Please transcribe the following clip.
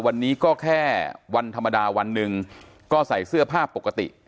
วันนี้ก็แค่วันธรรมดาวันหนึ่งก็ใส่เสื้อผ้าปกติ